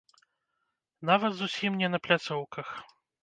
Нават зусім не на пляцоўках.